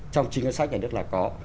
trong chi ngân sách nhà nước là có